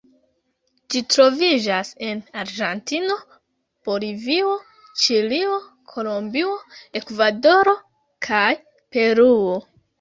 Ĝi troviĝas en Argentino, Bolivio, Ĉilio, Kolombio, Ekvadoro, kaj Peruo.